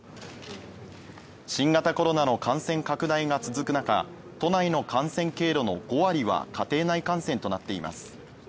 新型コロナの感染拡大が続く中、都内の感染経路の５割は家庭内感染となっています。